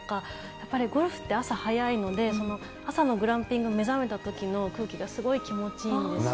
やっぱりゴルフって朝早いので、朝のグランピング、目覚めたときの空気がすごい気持ちいいんですよね。